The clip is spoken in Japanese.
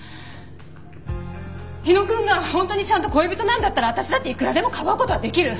火野くんが本当にちゃんと恋人なんだったら私だっていくらでもかばうことはできる。